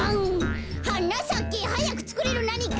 「はなさけはやくつくれるなにか」